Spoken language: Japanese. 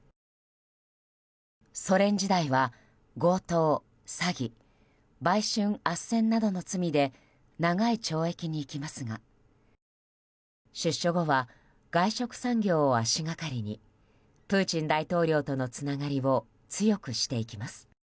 ソ連時代は強盗、詐欺売春あっせんなどの罪で長い懲役に行きますが出所後は外食産業を足掛かりにプーチン大統領とのつながりを強くしていきます。